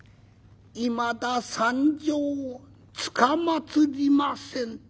「いまだ参上つかまつりません」。